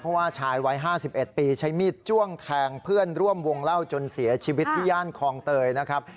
เพราะว่าชายวัย๕๑ปีใช้มีดจ้วงแทงเพื่อนร่วมวงเล่าจนเสียชีวิตที่ย่านคลองเตยนะครับ